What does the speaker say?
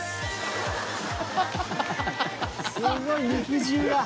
すごい肉汁が。